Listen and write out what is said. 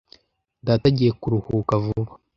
Data agiye kuruhuka vuba.